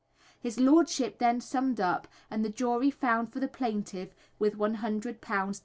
His Lordship then summed up, and the jury found for the plaintiff, with £100 damages. FINIS.